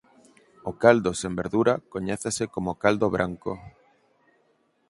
O caldo sen verdura coñécese como caldo branco.